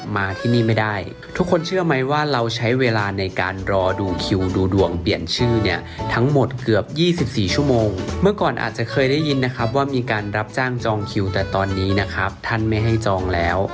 มาที่นี่ไม่ได้ทุกคนเชื่อไหมว่าเราใช้เวลาในการรอดูคิวดูดวงเปลี่ยนชื่อเนี่ยทั้งหมดเกือบ๒๔ชั่วโมงเมื่อก่อนอาจจะเคยได้ยินนะครับว่ามีการรับจ้างจองคิวแต่ตอนนี้นะครับท่านไม่ให้จองแล้ว